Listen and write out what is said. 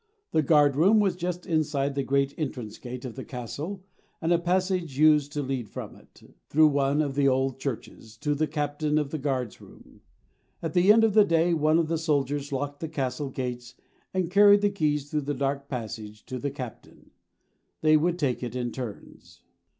The guard room was just inside the great entrance gate of the castle and a passage used to lead from it, through one of the old churches, to the Captain of the Guard's room. At the end of the day one of the soldiers locked the castle gates and carried the keys through the dark passage to the captain. They would take it in turns.